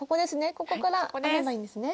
ここから編めばいいんですね。